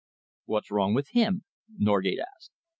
"What's wrong with him?" Norgate asked.